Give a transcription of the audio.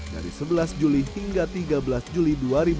dari sebelas juli hingga tiga belas juli dua ribu dua puluh